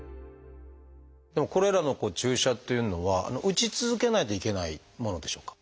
これらの注射っていうのは打ち続けないといけないものでしょうか？